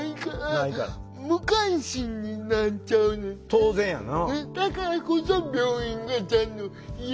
当然やな。